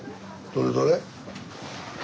どれどれ？